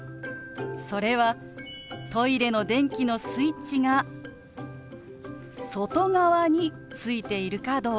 それはトイレの電気のスイッチが外側についているかどうか。